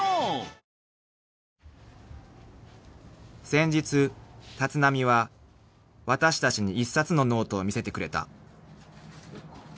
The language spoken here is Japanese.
［先日立浪は私たちに１冊のノートを見せてくれた］